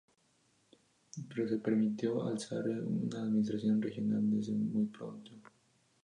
Pero se permitió al Sarre una administración regional desde muy pronto.